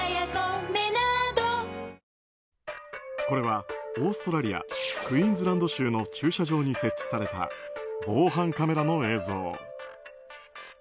これはオーストラリア・クイーンズランド州の駐車場に設置された防犯カメラの映像。